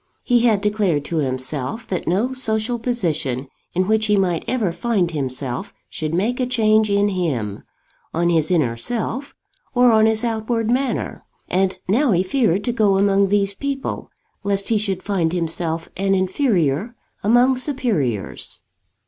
He had declared to himself that no social position in which he might ever find himself should make a change in him, on his inner self or on his outward manner; and now he feared to go among these people, lest he should find himself an inferior among superiors.